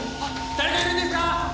誰かいるんですか！？